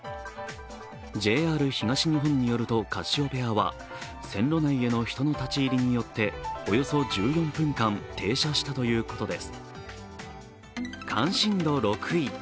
ＪＲ東日本によるとカシオペアは線路内への人の立ち入りによっておよそ１４分間、停車したということです。